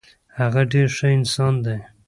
هغه ډیر ښه انسان دی.